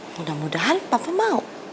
mudah mudahan papa mau